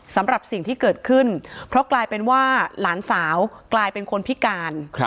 สำหรับสิ่งที่เกิดขึ้นเพราะกลายเป็นว่าหลานสาวกลายเป็นคนพิการ